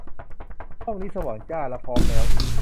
ห้องนี้สว่างจ้า และพร้อมแล้ว